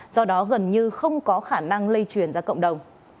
do đó gần như không có khả năng lây truyền ra cộng đồng